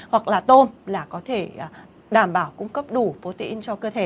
hoặc là tôm là có thể đảm bảo cung cấp đủ potien cho cơ thể